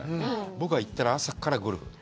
僕は行ったら朝からゴルフ。